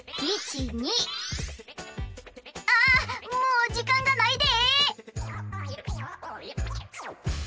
あもうじかんがないで！